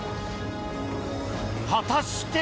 果たして。